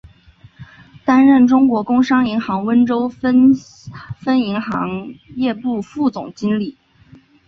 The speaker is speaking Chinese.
担任中国工商银行温州分行营业部副总经理。